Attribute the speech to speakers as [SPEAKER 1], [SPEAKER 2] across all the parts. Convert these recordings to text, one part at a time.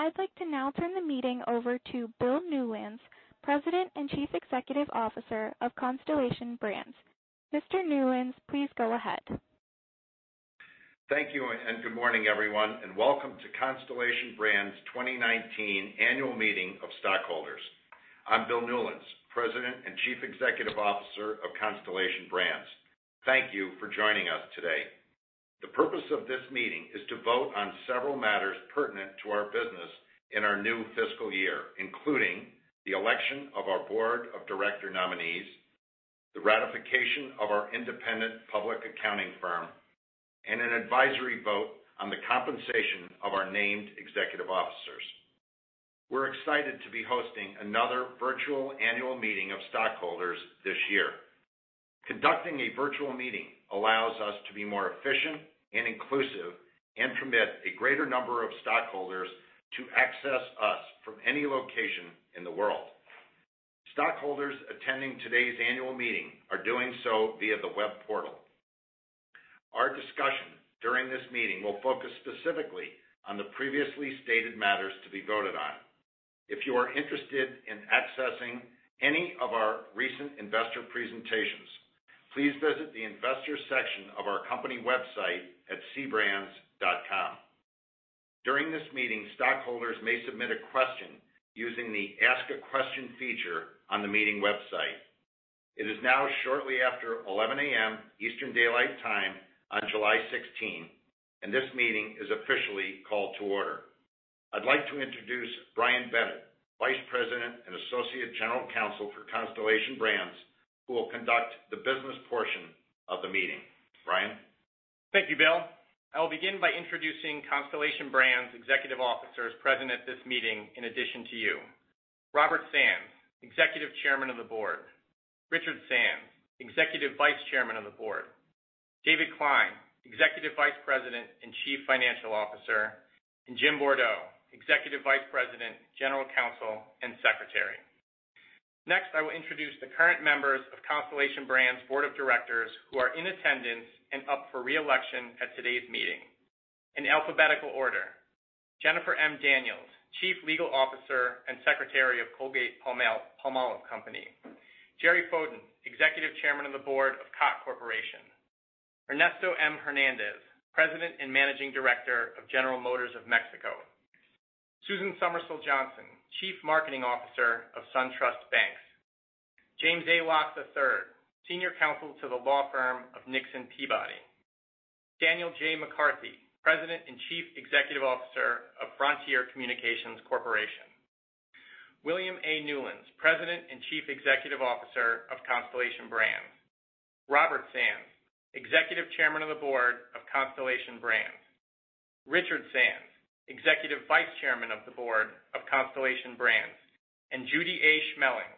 [SPEAKER 1] Morning. I'd like to now turn the meeting over to Bill Newlands, President and Chief Executive Officer of Constellation Brands. Mr. Newlands, please go ahead.
[SPEAKER 2] Thank you, and good morning, everyone, and welcome to Constellation Brands' 2019 Annual Meeting of Stockholders. I'm Bill Newlands, President and Chief Executive Officer of Constellation Brands. Thank you for joining us today. The purpose of this meeting is to vote on several matters pertinent to our business in our new fiscal year, including the election of our board of director nominees, the ratification of our independent public accounting firm, and an advisory vote on the compensation of our named executive officers. We're excited to be hosting another virtual annual meeting of stockholders this year. Conducting a virtual meeting allows us to be more efficient and inclusive and permit a greater number of stockholders to access us from any location in the world. Stockholders attending today's annual meeting are doing so via the web portal. Our discussion during this meeting will focus specifically on the previously stated matters to be voted on. If you are interested in accessing any of our recent investor presentations, please visit the investors section of our company website at cbrands.com. During this meeting, stockholders may submit a question using the Ask a Question feature on the meeting website. It is now shortly after 11:00 A.M. Eastern Daylight Time on July 16, and this meeting is officially called to order. I'd like to introduce Brian Bennett, Vice President and Associate General Counsel for Constellation Brands, who will conduct the business portion of the meeting. Brian?
[SPEAKER 3] Thank you, Bill. I will begin by introducing Constellation Brands' executive officers present at this meeting in addition to you. Robert Sands, Executive Chairman of the Board. Richard Sands, Executive Vice Chairman of the Board. David Klein, Executive Vice President and Chief Financial Officer, and Jim Bourdeau, Executive Vice President, General Counsel, and Secretary. Next, I will introduce the current members of Constellation Brands' Board of Directors who are in attendance and up for re-election at today's meeting. In alphabetical order, Jennifer M. Daniels, Chief Legal Officer and Secretary of Colgate-Palmolive Company. Jerry Fowden, Executive Chairman of the Board of Cott Corporation. Ernesto M. Hernandez, President and Managing Director of General Motors of Mexico. Susan Somersille Johnson, Chief Marketing Officer of SunTrust Banks. James A. Locke III, Senior Counsel to the law firm of Nixon Peabody. Daniel J. McCarthy, President and Chief Executive Officer of Frontier Communications Corporation. William A. Newlands, President and Chief Executive Officer of Constellation Brands. Robert Sands, Executive Chairman of the Board of Constellation Brands. Richard Sands, Executive Vice Chairman of the Board of Constellation Brands. Judy A. Schmeling,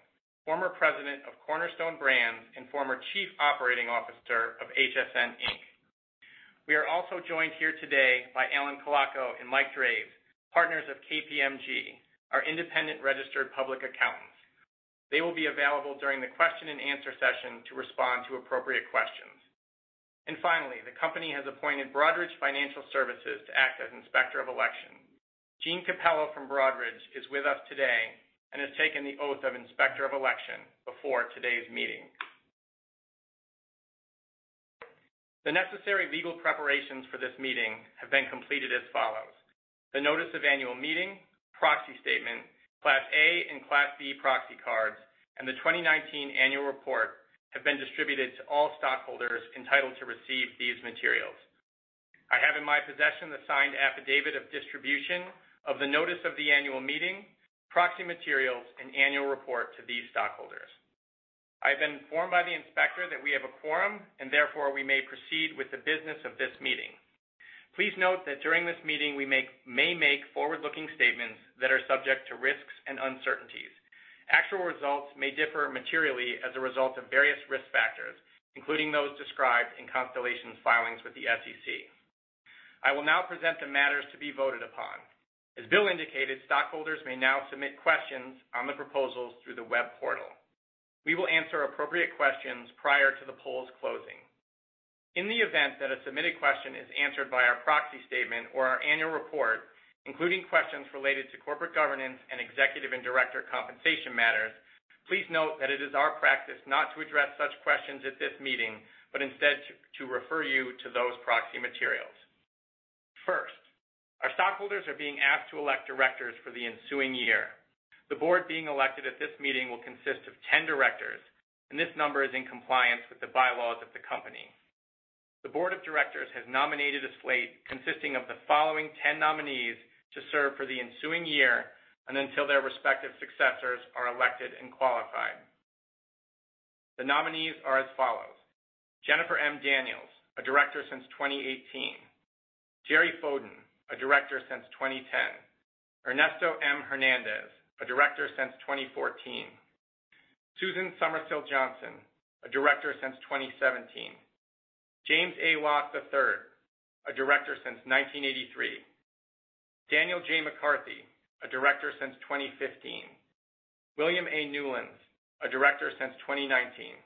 [SPEAKER 3] former President of Cornerstone Brands and former Chief Operating Officer of HSN, Inc. We are also joined here today by Allan Colaco and Mike Draves, partners of KPMG, our independent registered public accountants. They will be available during the question and answer session to respond to appropriate questions. The company has appointed Broadridge Financial Solutions to act as Inspector of Election. Jean Capello from Broadridge is with us today and has taken the oath of Inspector of Election before today's meeting. The necessary legal preparations for this meeting have been completed as follows. The notice of annual meeting, proxy statement, Class A and Class B proxy cards, and the 2019 annual report have been distributed to all stockholders entitled to receive these materials. I have in my possession the signed affidavit of distribution of the notice of the annual meeting, proxy materials, and annual report to these stockholders. I have been informed by the inspector that we have a quorum, and therefore, we may proceed with the business of this meeting. Please note that during this meeting, we may make forward-looking statements that are subject to risks and uncertainties. Actual results may differ materially as a result of various risk factors, including those described in Constellation's filings with the SEC. I will now present the matters to be voted upon. As Bill indicated, stockholders may now submit questions on the proposals through the web portal. We will answer appropriate questions prior to the polls closing. In the event that a submitted question is answered by our proxy statement or our annual report, including questions related to corporate governance and executive and director compensation matters, please note that it is our practice not to address such questions at this meeting, but instead to refer you to those proxy materials. First, our stockholders are being asked to elect directors for the ensuing year. The board being elected at this meeting will consist of 10 directors, and this number is in compliance with the bylaws of the company. The board of directors has nominated a slate consisting of the following 10 nominees to serve for the ensuing year and until their respective successors are elected and qualified. The nominees are as follows. Jennifer M. Daniels, a director since 2018. Jerry Fowden, a director since 2010. Ernesto M. Hernandez, a director since 2014. Susan Somersille Johnson, a director since 2017. James A. Locke III, a director since 1983. Daniel J. McCarthy, a director since 2015. William A. Newlands, a director since 2019.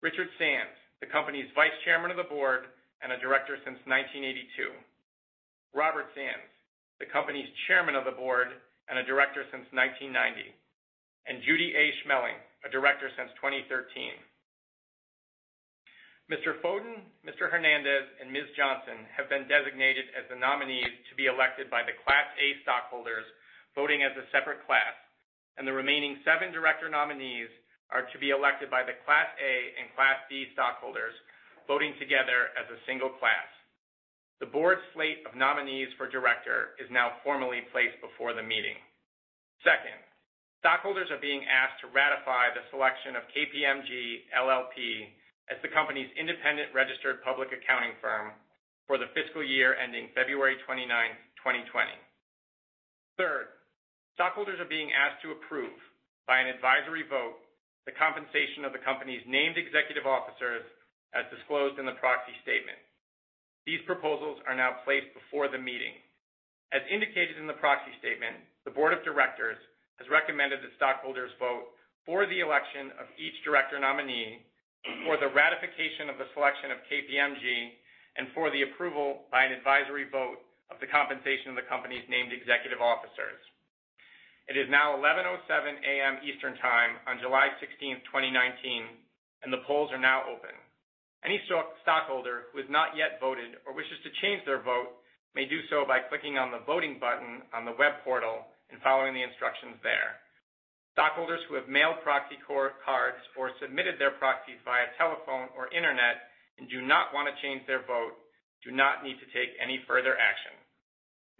[SPEAKER 3] Richard Sands, the company's Vice Chairman of the Board and a director since 1982. Robert Sands, the company's Chairman of the Board and a director since 1990, and Judy A. Schmeling, a director since 2013. Mr. Fowden, Mr. Hernandez, and Ms. Johnson have been designated as the nominees to be elected by the Class A stockholders, voting as a separate class, and the remaining seven director nominees are to be elected by the Class A and Class C stockholders, voting together as a single class. The board slate of nominees for director is now formally placed before the meeting. Second, stockholders are being asked to ratify the selection of KPMG LLP as the company's independent registered public accounting firm for the fiscal year ending February 29, 2020. Third, stockholders are being asked to approve, by an advisory vote, the compensation of the company's named executive officers as disclosed in the proxy statement. These proposals are now placed before the meeting. As indicated in the proxy statement, the board of directors has recommended that stockholders vote for the election of each director nominee, for the ratification of the selection of KPMG, and for the approval by an advisory vote of the compensation of the company's named executive officers. It is now 11:07 A.M. Eastern Time on July 16, 2019, and the polls are now open. Any stockholder who has not yet voted or wishes to change their vote may do so by clicking on the Voting button on the web portal and following the instructions there. Stockholders who have mailed proxy cards or submitted their proxies via telephone or internet and do not want to change their vote do not need to take any further action.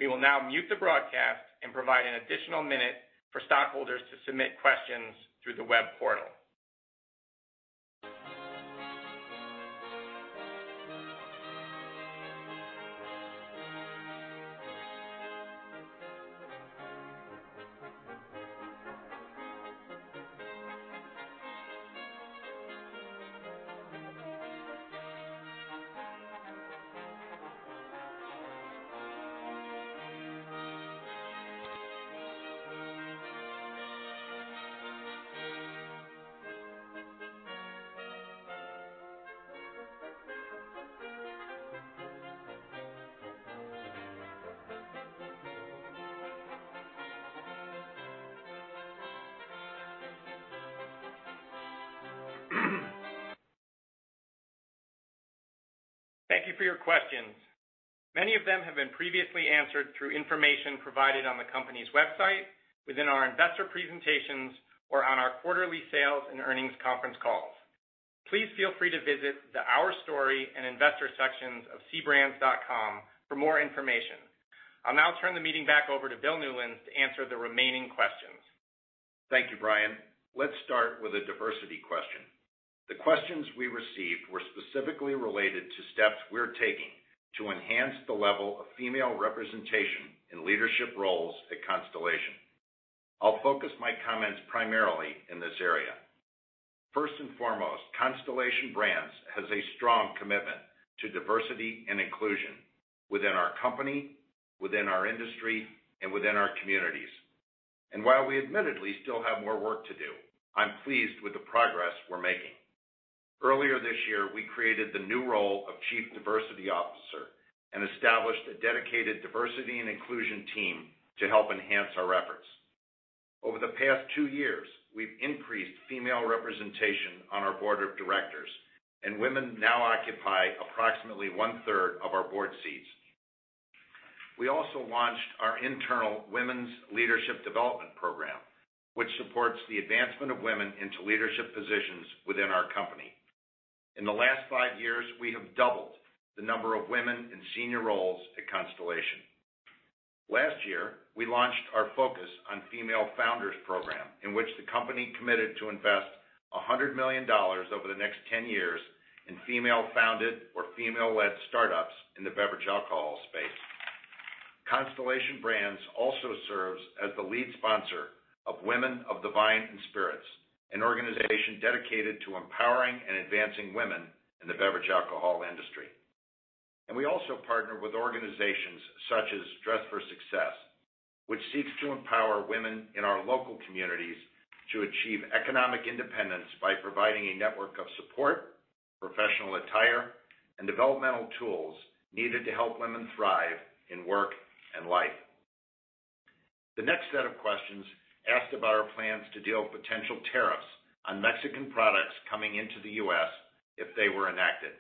[SPEAKER 3] We will now mute the broadcast and provide an additional minute for stockholders to submit questions through the web portal. Thank you for your questions. Many of them have been previously answered through information provided on the company's website, within our investor presentations, or on our quarterly sales and earnings conference calls. Please feel free to visit the Our Story and Investor sections of cbrands.com for more information. I'll now turn the meeting back over to Bill Newlands to answer the remaining questions.
[SPEAKER 2] Thank you, Brian. Let's start with a diversity question. The questions we received were specifically related to steps we're taking to enhance the level of female representation in leadership roles at Constellation. I'll focus my comments primarily in this area. First and foremost, Constellation Brands has a strong commitment to diversity and inclusion within our company, within our industry, and within our communities. While we admittedly still have more work to do, I'm pleased with the progress we're making. Earlier this year, we created the new role of Chief Diversity Officer and established a dedicated diversity and inclusion team to help enhance our efforts. Over the past two years, we've increased female representation on our board of directors, and women now occupy approximately one-third of our board seats. We also launched our internal Women's Leadership Development Program, which supports the advancement of women into leadership positions within our company. In the last five years, we have doubled the number of women in senior roles at Constellation. Last year, we launched our Focus on Female Founders program, in which the company committed to invest $100 million over the next 10 years in female-founded or female-led startups in the beverage alcohol space. Constellation Brands also serves as the lead sponsor of Women of the Vine & Spirits, an organization dedicated to empowering and advancing women in the beverage alcohol industry. We also partner with organizations such as Dress for Success, which seeks to empower women in our local communities to achieve economic independence by providing a network of support, professional attire, and developmental tools needed to help women thrive in work and life. The next set of questions asked about our plans to deal with potential tariffs on Mexican products coming into the U.S. if they were enacted.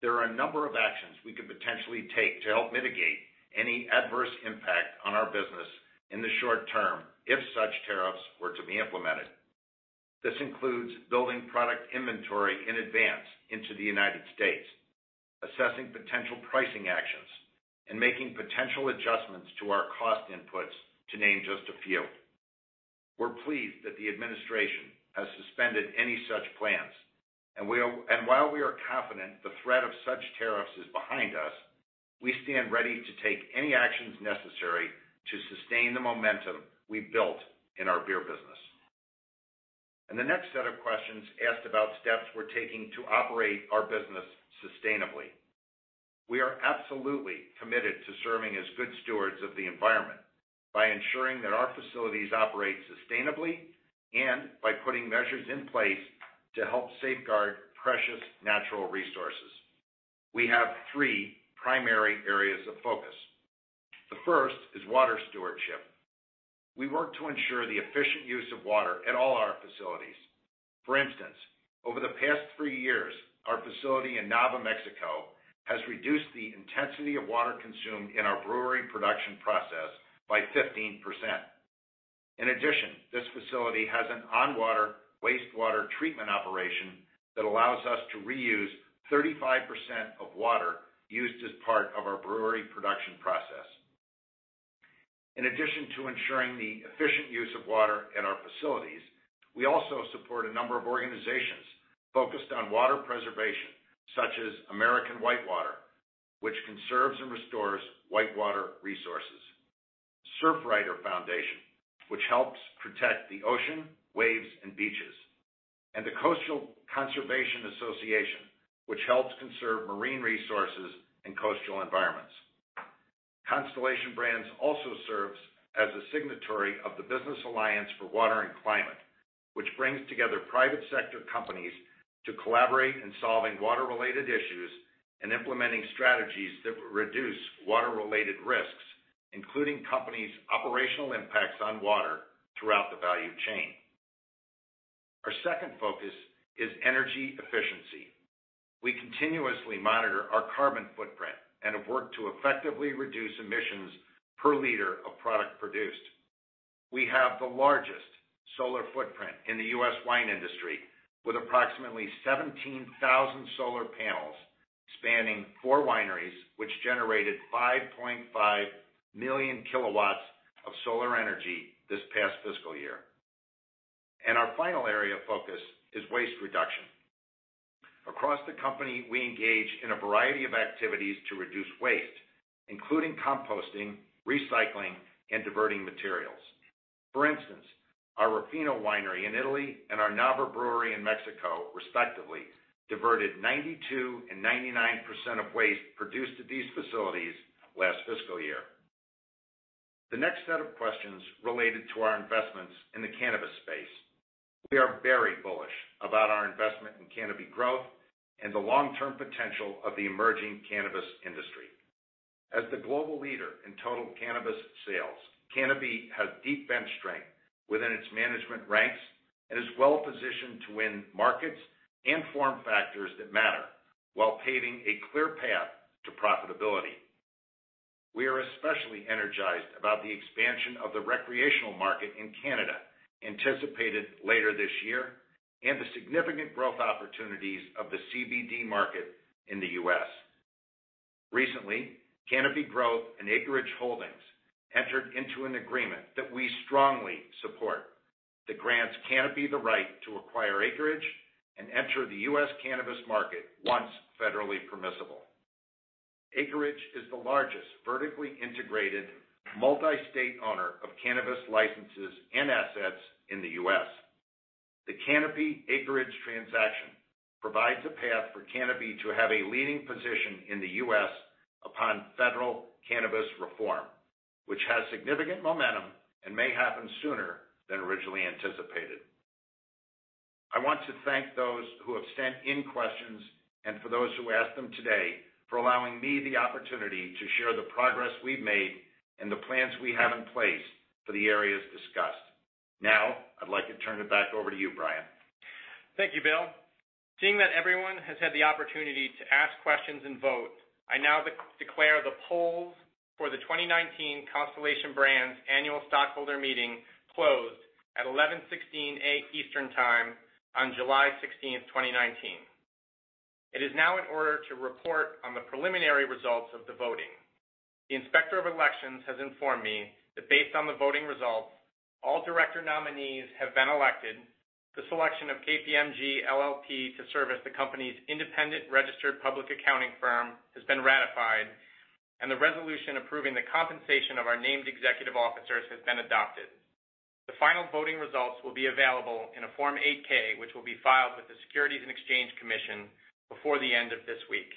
[SPEAKER 2] There are a number of actions we could potentially take to help mitigate any adverse impact on our business in the short term if such tariffs were to be implemented. This includes building product inventory in advance into the U.S., assessing potential pricing actions, and making potential adjustments to our cost inputs, to name just a few. We're pleased that the administration has suspended any such plans. While we are confident the threat of such tariffs is behind us, we stand ready to take any actions necessary to sustain the momentum we built in our beer business. The next set of questions asked about steps we're taking to operate our business sustainably. We are absolutely committed to serving as good stewards of the environment by ensuring that our facilities operate sustainably and by putting measures in place to help safeguard precious natural resources. We have three primary areas of focus. The first is water stewardship. We work to ensure the efficient use of water at all our facilities. For instance, over the past three years, our facility in Nava, Mexico, has reduced the intensity of water consumed in our brewery production process by 15%. In addition, this facility has an on-water wastewater treatment operation that allows us to reuse 35% of water used as part of our brewery production process. In addition to ensuring the efficient use of water at our facilities, we also support a number of organizations focused on water preservation, such as American Whitewater, which conserves and restores whitewater resources; Surfrider Foundation, which helps protect the ocean, waves, and beaches; and the Coastal Conservation Association, which helps conserve marine resources and coastal environments. Constellation Brands also serves as a signatory of the Business Alliance for Water and Climate, which brings together private sector companies to collaborate in solving water-related issues and implementing strategies that reduce water-related risks, including companies' operational impacts on water throughout the value chain. Our second focus is energy efficiency. We continuously monitor our carbon footprint and have worked to effectively reduce emissions per liter of product produced. We have the largest solar footprint in the U.S. wine industry, with approximately 17,000 solar panels spanning four wineries, which generated 5.5 million kilowatts of solar energy this past fiscal year. Our final area of focus is waste reduction. Across the company, we engage in a variety of activities to reduce waste, including composting, recycling, and diverting materials. For instance, our Ruffino winery in Italy and our Nava brewery in Mexico, respectively, diverted 92% and 99% of waste produced at these facilities last fiscal year. The next set of questions related to our investments in the cannabis space. We are very bullish about our investment in Canopy Growth and the long-term potential of the emerging cannabis industry. As the global leader in total cannabis sales, Canopy has deep bench strength within its management ranks and is well-positioned to win markets and form factors that matter while paving a clear path to profitability. We are especially energized about the expansion of the recreational market in Canada anticipated later this year and the significant growth opportunities of the CBD market in the U.S. Recently, Canopy Growth and Acreage Holdings entered into an agreement that we strongly support that grants Canopy the right to acquire Acreage and enter the U.S. cannabis market once federally permissible. Acreage is the largest vertically integrated multi-state owner of cannabis licenses and assets in the U.S. The Canopy-Acreage transaction provides a path for Canopy to have a leading position in the U.S. upon federal cannabis reform, which has significant momentum and may happen sooner than originally anticipated. I want to thank those who have sent in questions and for those who asked them today for allowing me the opportunity to share the progress we've made and the plans we have in place for the areas discussed. Now, I'd like to turn it back over to you, Brian.
[SPEAKER 3] Thank you, Bill. Seeing that everyone has had the opportunity to ask questions and vote, I now declare the polls for the 2019 Constellation Brands Annual Stockholder Meeting closed at 11:16 A.M. Eastern Time on July 16th, 2019. It is now in order to report on the preliminary results of the voting. The Inspector of Elections has informed me that based on the voting results, all director nominees have been elected, the selection of KPMG LLP to serve as the company's independent registered public accounting firm has been ratified, and the resolution approving the compensation of our named executive officers has been adopted. The final voting results will be available in a Form 8-K, which will be filed with the Securities and Exchange Commission before the end of this week.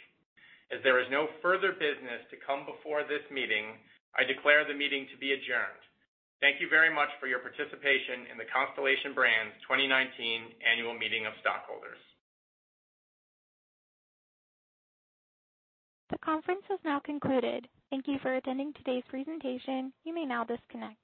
[SPEAKER 3] There is no further business to come before this meeting, I declare the meeting to be adjourned. Thank you very much for your participation in the Constellation Brands 2019 Annual Meeting of Stockholders.
[SPEAKER 1] The conference has now concluded. Thank you for attending today's presentation. You may now disconnect.